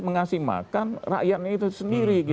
mengasih makan rakyatnya itu sendiri